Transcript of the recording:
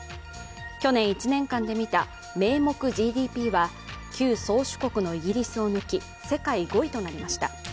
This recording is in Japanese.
去年１年間で見た名目ＧＤＰは旧宗主国のイギリスを抜き、世界５位となりました。